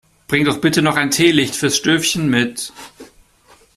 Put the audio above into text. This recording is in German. Bring doch bitte noch ein Teelicht fürs Stövchen mit!